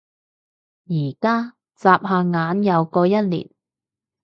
而家？眨下眼又過一年